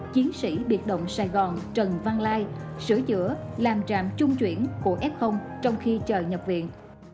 chiến sĩ biệt động sài gòn trần văn lai sửa chữa làm trạm trung chuyển của f trong khi chờ nhập viện